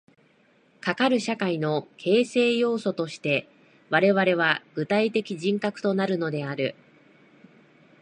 かかる社会の形成要素として我々は具体的人格となるのである。